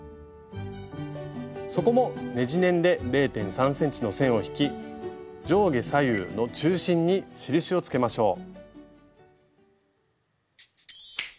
底もねじネンで０．３ｃｍの線を引き上下左右の中心に印をつけましょう。